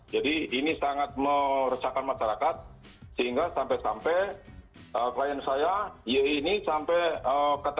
jadi ini sangat meresahkan masyarakat sehingga sampai sampai klien saya yi ini sampai kata kata